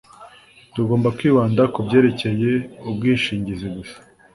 tugomba kwibanda ku byerekeye ubwishingizi gusa